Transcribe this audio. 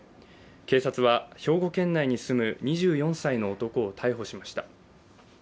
警察は兵庫県内に住む２４歳の男を逮捕しました。